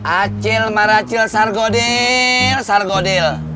acil marah acil sargodil sargodil